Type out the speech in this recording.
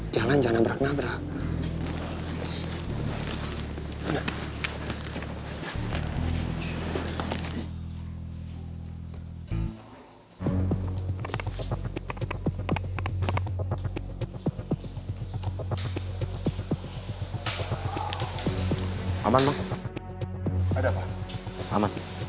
tolong enternya masih sedikit